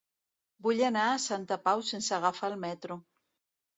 Vull anar a Santa Pau sense agafar el metro.